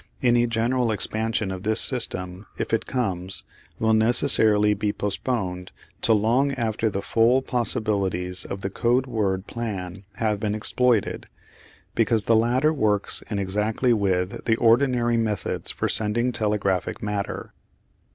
Any general expansion of this system, if it comes, will necessarily be postponed till long after the full possibilities of the codeword plan have been exploited, because the latter works in exactly with the ordinary methods for sending telegraphic matter.